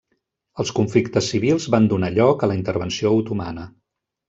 Els conflictes civils van donar lloc a la intervenció otomana.